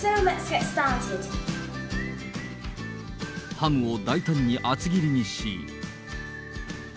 ハムを大胆に厚切りにし。